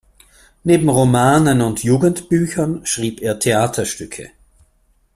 Neben Romanen und Jugendbüchern schrieb er Theaterstücke.